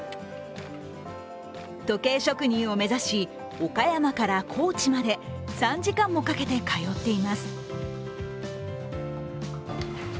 時計職人を目指し、岡山から高知まで３時間もかけて通っています。